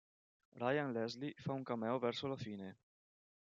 Ryan Leslie fa un cameo verso la fine.